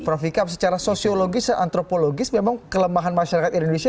prof ikam secara sosiologis dan antropologis memang kelemahan masyarakat indonesia